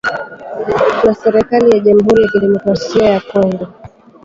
na serikali ya jamhuri ya kidemokrasia ya Kongo